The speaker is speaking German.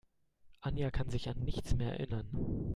Anja kann sich an nichts mehr erinnern.